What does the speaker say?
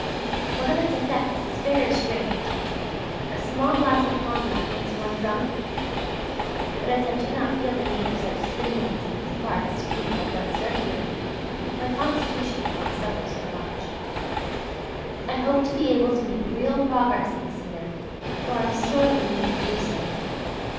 One of its effects is very strange; a small glass of cognac makes one drunk here. But as I do not feel the need of such stimulants in these parts to keep my blood circulating, my constitution will not suffer so much. I hope to be able to make real progress this year; for I sorely need to do so.